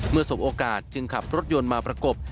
สมโอกาสจึงขับรถยนต์มาประกบ